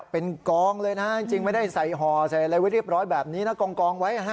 เป็นกองเลยนะจริงไม่ได้ใส่ห่อใส่อะไรไว้เรียบร้อยแบบนี้นะกองไว้